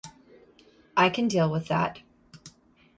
I can deal with that.